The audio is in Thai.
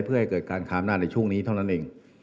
เพื่อให้เกิดการค้าอำนาจในช่วงนี้เท่านั้นเอง